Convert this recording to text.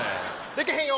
でけへんよ。